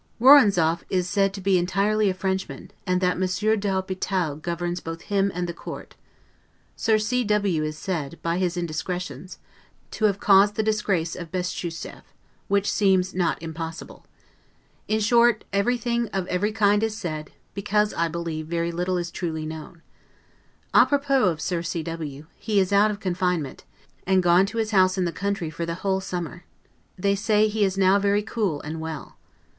Woronzoff is said to be entirely a Frenchman, and that Monsieur de l'Hopital governs both him and the court. Sir C. W. is said, by his indiscretions, to have caused the disgrace of Bestuchef, which seems not impossible. In short, everything of every kind is said, because, I believe, very little is truly known. 'A propos' of Sir C. W.; he is out of confinement, and gone to his house in the country for the whole summer. They say he is now very cool and well.